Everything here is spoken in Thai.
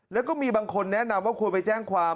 แล้วก็มีบางคนแนะนำว่าควรไปแจ้งความ